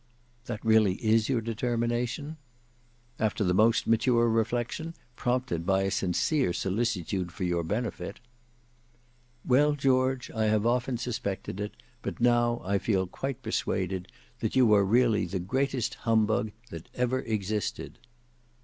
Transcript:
"That really is your determination?" "After the most mature reflection, prompted by a sincere solicitude for your benefit." "Well, George, I have often suspected it, but now I feel quite persuaded, that you are really the greatest humbug that ever existed."